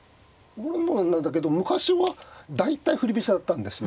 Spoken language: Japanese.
オールラウンダーなんだけど昔は大体振り飛車だったんですよ。